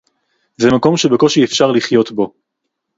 זה מקום שבקושי אפשר לחיות בו